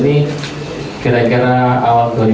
ini adalah proses yang panjang bukan sesaat